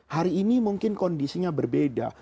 hari ini mungkin kondisinya berbeda